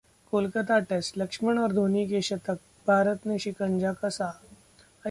Kolkata test: Laxman और धोनी के शतक, भारत ने शिकंजा कसा